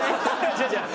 違う違う。